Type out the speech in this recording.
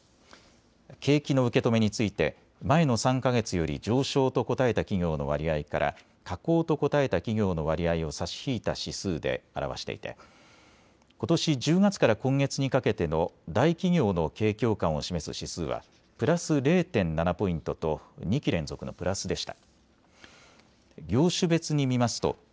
景気の受け止めについて前の３か月より上昇と答えた企業の割合から下降と答えた企業の割合を差し引いた指数で表していてことし１０月から今月にかけての大企業の景況感を示す指数はプラス０．７ポイントと２期連続のプラスでした。